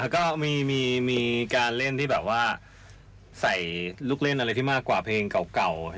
ก็มีการเล่นที่แบบว่าใส่ลูกเล่นอะไรที่มากกว่าเพลงเก่า